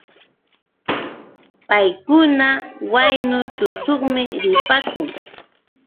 Paykuna waynu tushuqmi ripaakun.